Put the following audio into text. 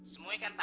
semua kan tau